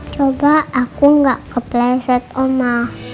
coba aku nggak kepleset oma